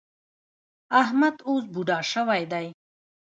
احمد اوس بوډا شوی دی.